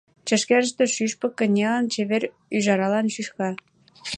Чашкерыште шӱшпык кынелын, Чевер ӱжаралан шӱшка.